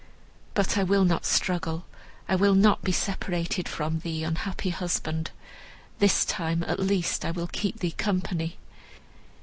But I will not struggle, I will not be separated from thee, unhappy husband. This time, at least, I will keep thee company.